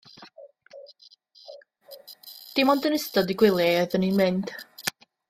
Dim ond yn ystod y gwyliau oeddwn i'n mynd.